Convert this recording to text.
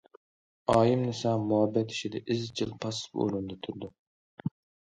ئايىمنىسا مۇھەببەت ئىشىدا ئىزچىل پاسسىپ ئورۇندا تۇرىدۇ.